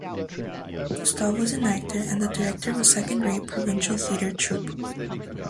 Gustave was an actor and the director of a second-rate provincial theater troupe.